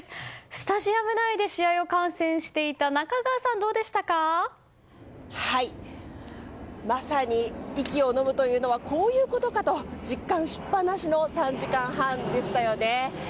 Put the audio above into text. スタジアム内で試合を観戦していたまさに、息をのむというのはこういうことかと実感しっぱなしの３時間半でしたよね。